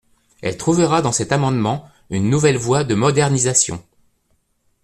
Elle trouvera dans cet amendement une nouvelle voie de modernisation.